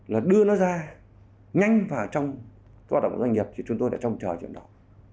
là đưa nó ra nhanh vào trong hoạt động của doanh nghiệp chúng tôi đã trông chờ chuyển động